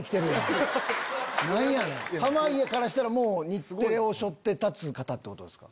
濱家からしたら日テレを背負って立つ方ってことですか？